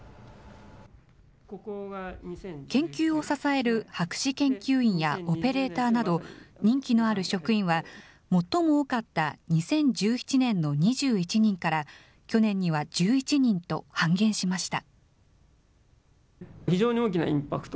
研究を支える博士研究員やオペレーターなど、任期のある職員は、最も多かった２０１７年の２１人から、去年には１１人と半減しました。